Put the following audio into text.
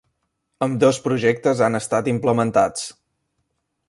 Ambdós projectes han estat implementats.